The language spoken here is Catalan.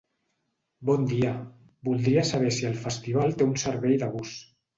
Bon dia, voldria saber si el festival té un servei de bus.